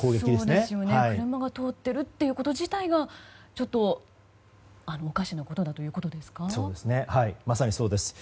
車が通っていること自体がちょっとおかしなことだということですか。